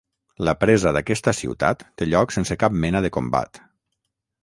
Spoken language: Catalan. La presa d'aquesta ciutat té lloc sense cap mena de combat.